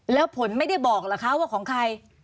แล้วผลไม่ได้บอกเหรอคะว่าของใคร